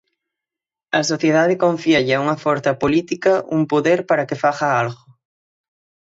A sociedade confíalle a unha forza política un poder para que faga algo.